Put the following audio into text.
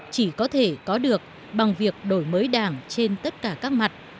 chỉ có thể có được bằng việc đổi mới đảng trên tất cả các mặt